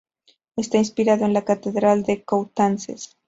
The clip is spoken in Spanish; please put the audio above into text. Está inspirado en la catedral de Coutances.